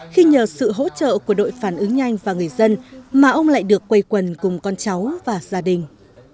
khi nhờ sự hỗ trợ của đội phản ứng nhanh và người dân mà ông lại được quây quần cùng con cháu và gia đình